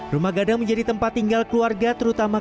rumah gadang menjadi tempat tinggal keluarga terutama